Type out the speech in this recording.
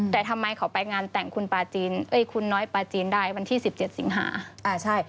แต่ทำไมเขาไปงานแต่งคุณปาจีนคุณน้อยปลาจีนได้วันที่๑๗สิงหาใช่